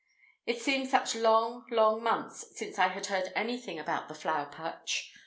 It seemed such long, long months since I had heard anything about the Flower Patch.